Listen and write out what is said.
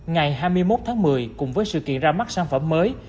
ngày hai mươi một tháng một mươi cùng với sự kiện ra mắt sản phẩm mới